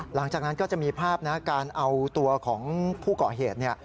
หลังจากนั้นก็จะมีภาพนะการเอาตัวของผู้เกาะเหตุเนี่ย